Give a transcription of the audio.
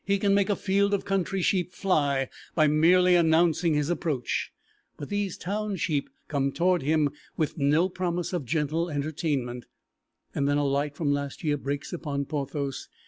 He can make a field of country sheep fly by merely announcing his approach, but these town sheep come toward him with no promise of gentle entertainment, and then a light from last year breaks upon Porthos.